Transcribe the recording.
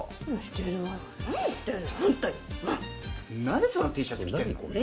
なんでそんなＴシャツ着てるの？